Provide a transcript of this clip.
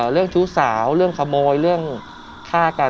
เรื่องชู้สาวเรื่องขโมยเรื่องฆ่ากัน